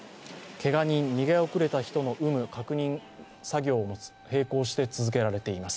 けが人、逃げ遅れた人の有無、確認作業も並行して続けられています。